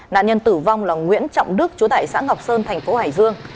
nạn nhân tử vong là nguyễn trọng đức chú tải xã ngọc sơn thành phố hải dương